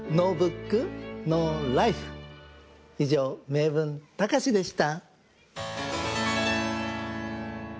「名文たかし」でした。